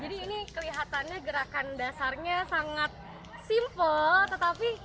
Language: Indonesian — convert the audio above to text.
jadi ini kelihatannya gerakan dasarnya sangat simpel